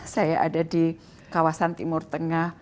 saya ada di kawasan timur tengah